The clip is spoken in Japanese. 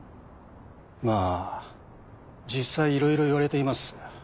まぁ実際いろいろ言われています。